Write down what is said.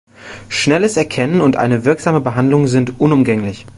Schnelles Erkennen und eine wirksame Behandlung sind unumgänglich.